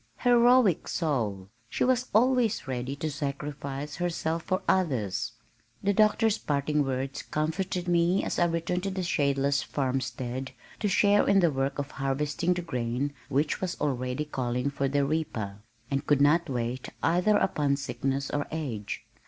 Heroic soul! She was always ready to sacrifice herself for others. The Doctor's parting words comforted me as I returned to the shadeless farmstead to share in the work of harvesting the grain which was already calling for the reaper, and could not wait either upon sickness or age.